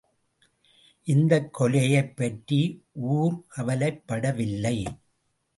இந்தக் கொலையைப் பற்றி ஊர் கவலைப் படவில்லை!